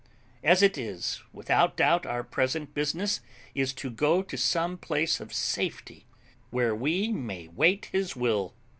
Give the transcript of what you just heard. As it is, without doubt our present business is to go to some place of safety, where we may wait His will."